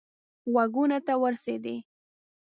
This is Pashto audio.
غوږونو ته ورسېدی.